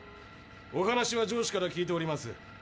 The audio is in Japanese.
お話は上司から聞いております。